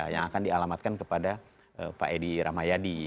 yang akan dialamatkan kepada pak edi ramayadi